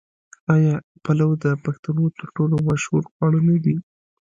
آیا پلو د پښتنو تر ټولو مشهور خواړه نه دي؟